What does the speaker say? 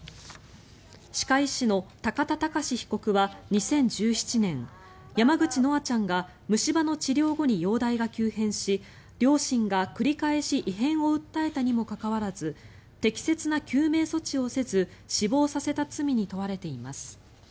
歯科医師の高田貴被告は２０１７年山口叶愛ちゃんが虫歯の治療後に容体が急変し両親が繰り返し異変を訴えたにもかかわらず適切な救命措置をせず死亡させた罪に問われています。